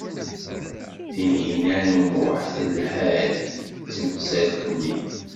Tinhinan u Muḥ telha-d s temsalt-nni.